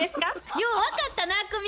よう分かったな久美子。